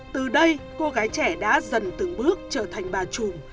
từ đây cô gái trẻ đã dần từng bước trở thành bà trùm